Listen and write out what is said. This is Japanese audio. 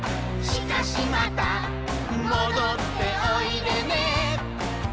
「しかしまたもどっておいでね」